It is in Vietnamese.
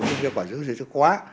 thiếu bảo dưỡng gì đó quá